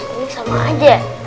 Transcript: ini sama aja